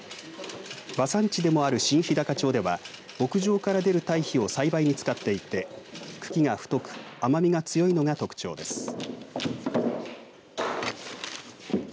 馬産地でもある新ひだか町では牧場から出る堆肥を栽培に使っていて茎が太く甘みが強いのが特徴です。